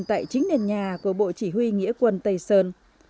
tại chính nền nhà của bộ chỉ huy nghĩa quân tây sơn